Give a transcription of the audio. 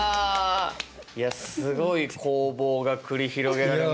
いやすごい攻防が繰り広げられましたね。